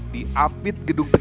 di apit gedung kecil